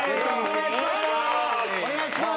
お願いします。